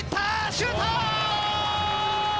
シュート！